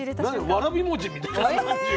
わらび餅みたいですよ。